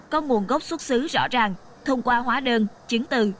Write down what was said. có nguồn gốc xuất xứ rõ ràng thông qua hóa đơn chứng từ